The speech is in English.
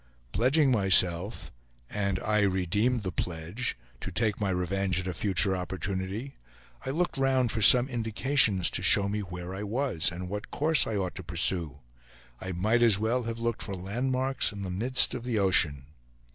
Pledging myself (and I redeemed the pledge) to take my revenge at a future opportunity, I looked round for some indications to show me where I was, and what course I ought to pursue; I might as well have looked for landmarks in the midst of the ocean.